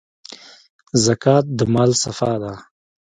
زکات د مال صفا ده.